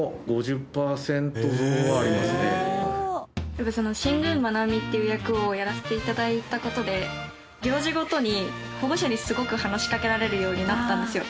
やっぱり新宮まなみっていう役をやらせて頂いた事で行事ごとに保護者にすごく話しかけられるようになったんですよ。